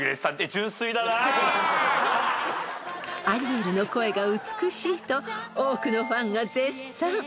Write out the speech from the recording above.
［アリエルの声が美しいと多くのファンが絶賛］